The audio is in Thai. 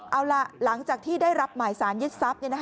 เอาล่ะหลังจากที่ได้รับหมายสารยึดทรัพย์